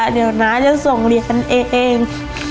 เดี๋ยวน้าจะส่งเรียนกันเอง